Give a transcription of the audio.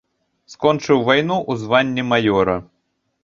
Скончыў вайну ў званні маёра.